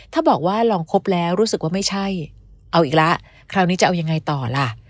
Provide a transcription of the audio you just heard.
ถ้าบอกว่าลองคบแล้วรู้สึกว่าไม่ใช่เอาอีกแล้วคราวนี้จะเอายังไงต่อล่ะ